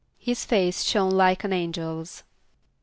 =His face shone like an angel's.